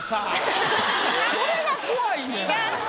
それが怖いねん。